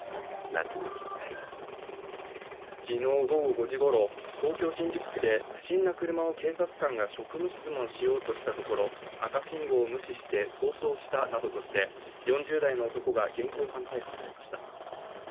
夏にピッタリ昨日午後５時ごろ東京・新宿区で不審な車を警察官が職務質問しようとしたところ赤信号を無視して逃走したなどとして、４０代の男が現行犯逮捕されました。